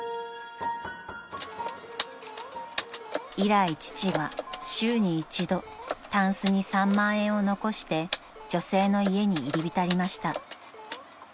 ［以来父は週に一度たんすに３万円を残して女性の家に入り浸りました］